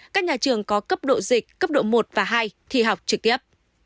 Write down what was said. các nhà trường có cấp độ dịch cấp độ một và hai thi học trực tiếp